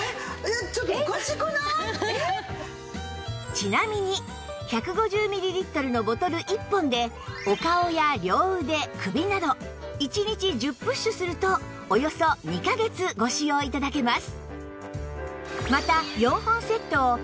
ちなみに１５０ミリリットルのボトル１本でお顔や両腕首など１日１０プッシュするとおよそ２カ月ご使用頂けます